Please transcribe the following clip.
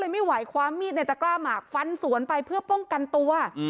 ไม่ไหวคว้ามีดในตะกร้าหมากฟันสวนไปเพื่อป้องกันตัว